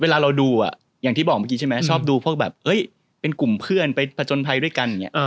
เวลาเราดูอย่างที่บอกเมื่อกี้ใช่ไหมชอบดูพวกแบบเป็นกลุ่มเพื่อนไปผจญภัยด้วยกันอย่างนี้